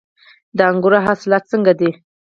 د انګورو حاصلات څنګه دي؟